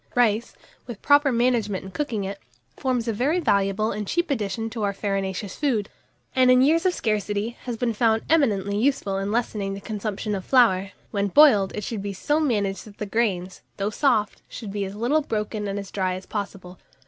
RICE, with proper management in cooking it, forms a very valuable and cheap addition to our farinaceous food, and, in years of scarcity, has been found eminently useful in lessening the consumption of flour. When boiled, it should be so managed that the grains, though soft, should be as little broken and as dry as possible.